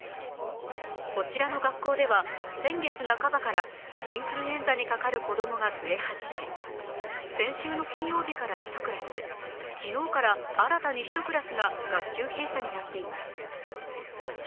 こちらの学校では先月半ばからインフルエンザにかかる子供が増え始め、先週の金曜日から１クラス、昨日から新たに１クラスが学級閉鎖になっています。